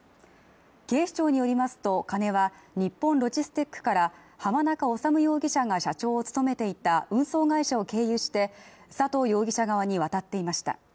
警視庁によりますと、金は日本ロジステックから浜中治容疑者が社長を務めていた運送会社を経由して佐藤容疑者側に渡っていました。